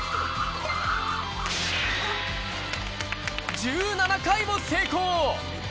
１７回も成功。